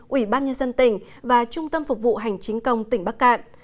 ủy ban nhân dân tỉnh và trung tâm phục vụ hành chính công tỉnh bắc cạn